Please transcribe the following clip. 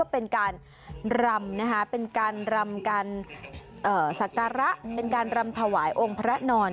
เป็นการรำนะคะเป็นการรำการศักระเป็นการรำถวายองค์พระนอน